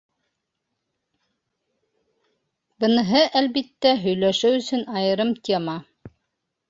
Быныһы, әлбиттә, һөйләшеү өсөн айырым тема.